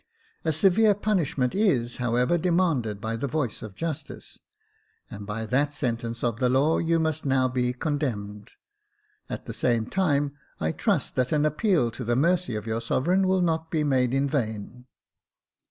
A severe punishment is, however, demanded by the voice of justice, and by that sentence of the law you must now be condemned : at the 90 Jacob Faithful same time I trust that an appeal to the mercy of your sovereign will not be made in vain."